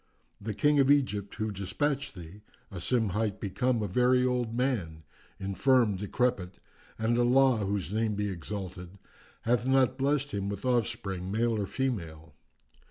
The King of Egypt who despatched thee, Asim hight, hath become a very old man, infirm, decrepit; and Allah (whose name be exalted!) hath not blessed him with offspring, male or female.